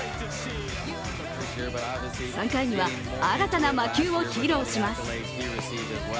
３回には新たな魔球を披露します。